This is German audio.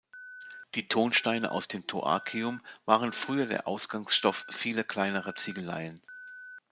Die Tonsteine aus dem Toarcium waren früher der Ausgangsstoff vieler kleinerer Ziegeleien.